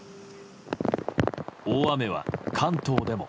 大雨は関東でも。